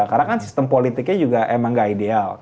karena kan sistem politiknya juga emang gak ideal